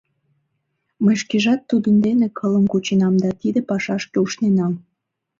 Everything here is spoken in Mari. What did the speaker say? Мый шкежат тудын дене кылым кученам да тиде пашашке ушненам.